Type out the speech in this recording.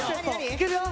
いけるよ！